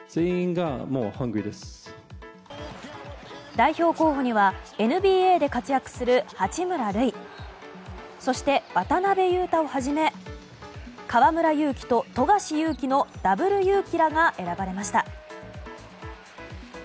代表候補にはＮＢＡで活躍する八村塁、そして渡邊雄太をはじめ河村勇輝と富樫勇樹のダブルゆうきらが選ばれました。